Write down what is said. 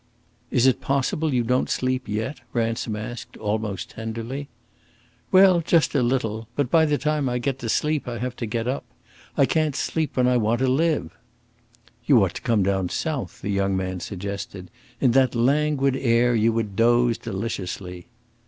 "Is it possible you don't sleep yet?" Ransom asked, almost tenderly. "Well, just a little. But by the time I get to sleep I have to get up. I can't sleep when I want to live." "You ought to come down South," the young man suggested. "In that languid air you would doze deliciously!"